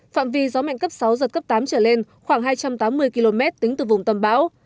phạm vi gió mạnh cấp sáu giật cấp tám trở lên khoảng hai trăm tám mươi km tính từ vùng tâm bão